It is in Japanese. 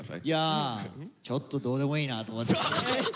いやちょっとどうでもいいなと思って。